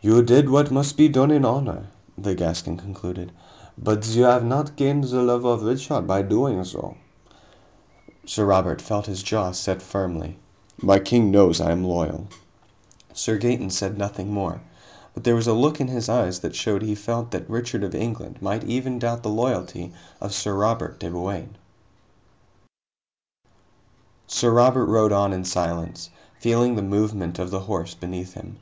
"You did what must be done in honor," the Gascon conceded, "but you have not gained the love of Richard by doing so." Sir Robert felt his jaw set firmly. "My king knows I am loyal." Sir Gaeton said nothing more, but there was a look in his eyes that showed that he felt that Richard of England might even doubt the loyalty of Sir Robert de Bouain. Sir Robert rode on in silence, feeling the movement of the horse beneath him.